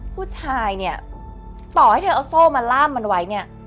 ผู้ชายเนี่ยต่อให้เธอเอาโซ่มาล่ามมันไว้เนี่ย